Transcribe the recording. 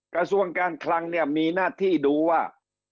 กระทรวงการคลังเนี่ยมีหน้าที่ดูว่า